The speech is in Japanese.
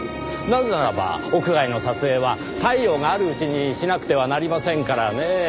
なぜならば屋外の撮影は太陽があるうちにしなくてはなりませんからねぇ。